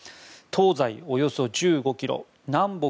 東西およそ１５ｋｍ南北